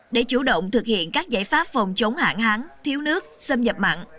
để chủ động thực hiện các giải pháp phòng chống hạn hán thiếu nước xâm nhập mặn